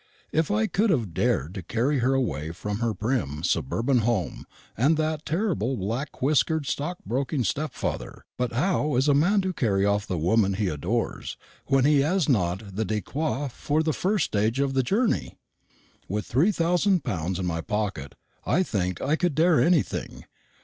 If I could have dared to carry her away from her prim suburban home and that terrible black whiskered stockbroking stepfather! But how is a man to carry off the woman he adores when he has not the de quoi for the first stage of the journey? With three thousand pounds in my pocket, I think I could dare anything.